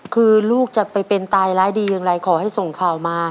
คือลูกจะไปเป็นตายร้ายดีอย่างไรขอให้ส่งข่าวมา